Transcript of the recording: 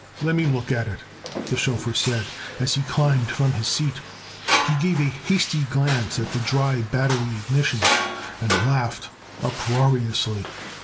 "Lemme look at it," the chauffeur said, as he climbed from his seat. He gave a hasty glance at the dry battery ignition and laughed uproariously.